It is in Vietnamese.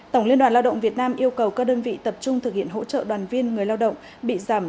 tổng liên đoàn lao động việt nam yêu cầu các đơn vị tập trung thực hiện hỗ trợ đoàn viên người lao động bị giảm